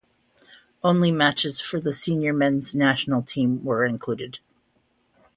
Only matches for the senior men's national team were included.